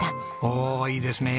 おおいいですね。